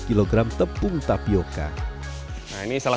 nah ini salah satu tepung yang kita gunakan untuk menjaga kembang